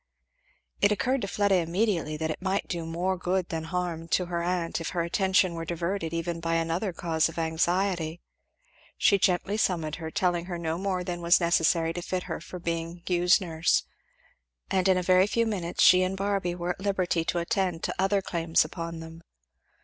It occurred to Fleda immediately that it might do more good than harm to her aunt if her attention were diverted even by another cause of anxiety. She gently summoned her, telling her no more than was necessary to fit her for being Hugh's nurse; and in a very few minutes she and Barby were at liberty to attend to other claims upon them.